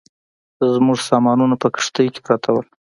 زموږ سامانونه په کښتۍ کې پراته ول.